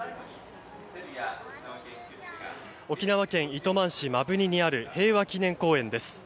沖縄県糸満市摩文仁にある平和祈念公園です。